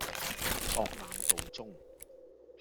博覽道中